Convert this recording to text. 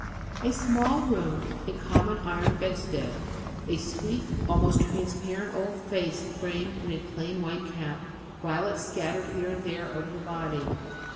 A small room, a common iron bedstead, a sweet, almost transparent old face framed in a plain white cap, violets scattered here and there over the body.